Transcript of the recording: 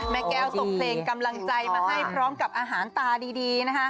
แม่แก้วส่งเพลงกำลังใจมาให้พร้อมกับอาหารตาดีนะคะ